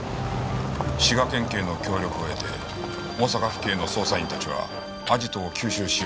滋賀県警の協力を得て大阪府警の捜査員たちはアジトを急襲しようとした。